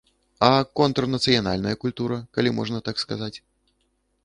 А контрнацыянальная культура, калі можна так сказаць?